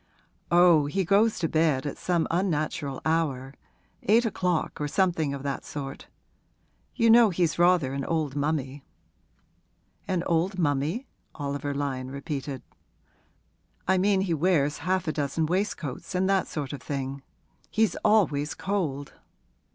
'Oh, he goes to bed at some unnatural hour eight o'clock or something of that sort. You know he's rather an old mummy.' 'An old mummy?' Oliver Lyon repeated. 'I mean he wears half a dozen waistcoats, and that sort of thing. He's always cold.'